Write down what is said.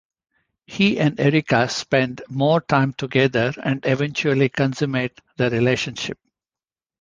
He and Erica spend more time together and eventually consummate their relationship.